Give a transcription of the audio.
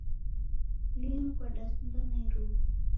Linu kwadasinda na iruwa